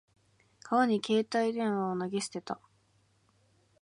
川に携帯電話を投げ捨てた。